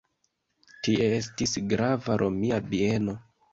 Tie estis grava romia bieno.